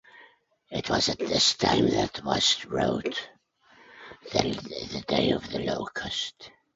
It was at this time that West wrote "The Day of the Locust".